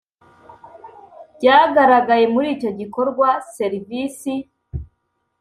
Byagaragaye muri icyo gikorwa serivisi